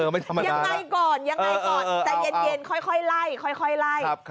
ไม่ธรรมดาแล้วยังไงก่อนใจเย็นค่อยไล่